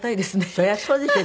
そりゃそうですよ。